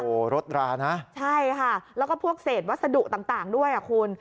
โอ้โหรถรานะใช่ค่ะแล้วก็พวกเศษวัสดุต่างด้วยอ่ะคุณ